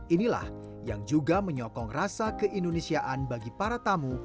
inilah yang juga menyokong rasa keindonesiaan bagi para tamu